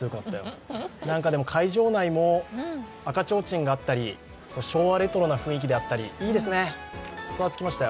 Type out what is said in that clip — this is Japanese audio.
会場内も赤ちょうちんがあったり昭和レトロな雰囲気であったり、いいですね、伝わってきましたよ。